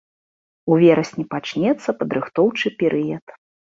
У верасні пачнецца падрыхтоўчы перыяд.